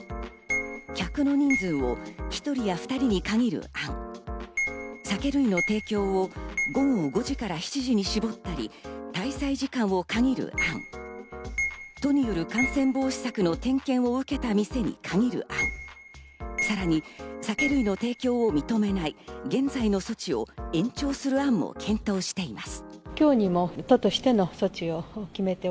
客の人数を１人や２人に限る案、酒類の提供を午後５時から７時に絞ったり滞在時間を限る案、都による感染防止対策の点検を受けた店に限る案、さらに酒類の提供を認めない、現在の措置を延長する案を検討しています。